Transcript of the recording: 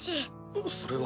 うそれは。